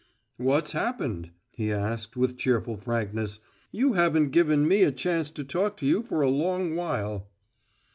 "What's happened?" he asked with cheerful frankness. "You haven't given me a chance to talk to you for a long while."